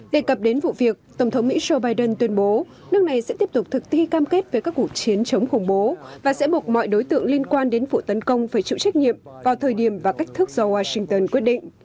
đề cập đến vụ việc tổng thống mỹ joe biden tuyên bố nước này sẽ tiếp tục thực thi cam kết về các cuộc chiến chống khủng bố và sẽ buộc mọi đối tượng liên quan đến vụ tấn công phải chịu trách nhiệm vào thời điểm và cách thức do washington quyết định